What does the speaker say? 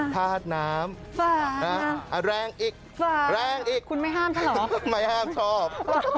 สาน้ำแรงอีกแรงอีกไม่ห้ามชอบ